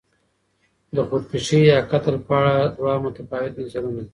د خودکشي یا قتل په اړه دوه متفاوت نظرونه دي.